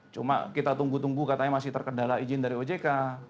cuma kita tunggu tunggu katanya masih terkendala izin dari ojk